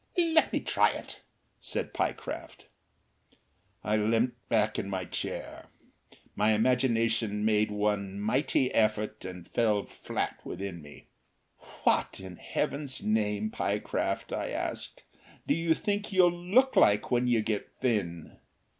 "Let me try it," said Pyecraft. I leant back in my chair. My imagination made one mighty effort and fell flat within me. "What in Heaven's name, Pyecraft," I asked, "do you think you'll look like when you get thin?"